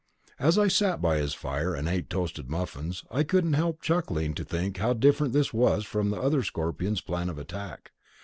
As I sat by his fire and ate toasted muffins I couldn't help chuckling to think how different this was from the other Scorpions' plan of attack.